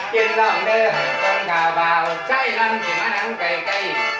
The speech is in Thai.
กินหลังเธอหันต้นขาวเบาใช้รันที่มะนั้นไกลไกล